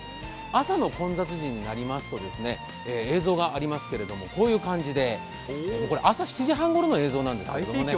朝の混雑時になりますと映像がありますけれどもこういう感じで、朝７時半ごろの映像なんですよ。